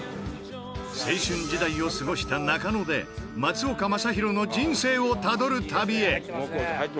青春時代を過ごした中野で松岡昌宏の人生をたどる旅へ。